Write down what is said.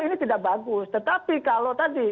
ini tidak bagus tetapi kalau tadi